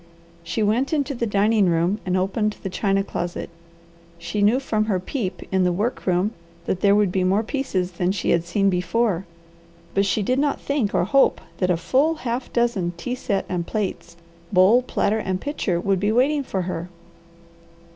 She went into the dining room and opened the china closet. She knew from her peep in the work room that there would be more pieces than she had seen before; but she did not think or hope that a full half dozen tea set and plates, bowl, platter, and pitcher would be waiting for her.